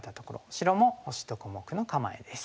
白も星と小目の構えです。